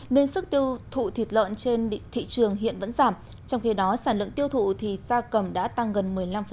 nên sức tiêu thụ thịt lợn trên thị trường hiện vẫn giảm trong khi đó sản lượng tiêu thụ thì gia cầm đã tăng gần một mươi năm